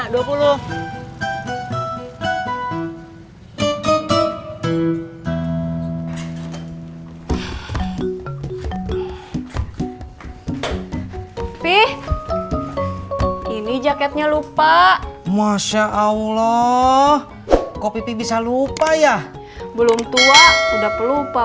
tapi ini jaketnya lupa masya allah kok pipi bisa lupa ya belum tua udah pelupa